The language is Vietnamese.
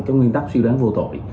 các nguyên tắc suy đoán vô tội